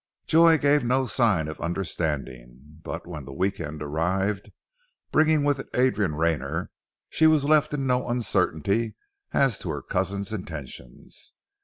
Joy gave no sign of understanding, but when the week end arrived, bringing with it Adrian Rayner, she was left in no uncertainty as to her cousin's intentions.